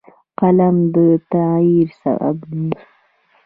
قلم د تغیر سبب دی